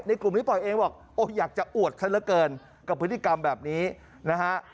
กลุ่มนี้ปล่อยเองบอกโอ้อยากจะอวดเขาเหลือเกินกับพฤติกรรมแบบนี้นะฮะ